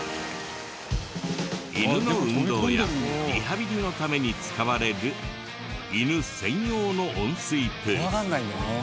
犬の運動やリハビリのために使われる犬専用の温水プール。